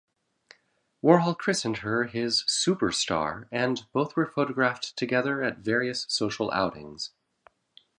Warhol christened her his "Superstar" and both were photographed together at various social outings.